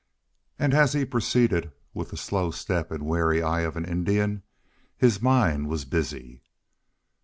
And as he proceeded, with the slow step and wary eye of an Indian, his mind was busy.